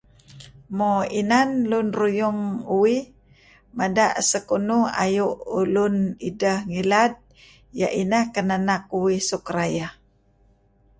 Mo inan lun ruyung uih, madah sakunuh ayuh ulun, idah ngilad, iyah inah kinah uih suh rayah.